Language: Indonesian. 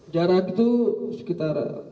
jarak itu sekitar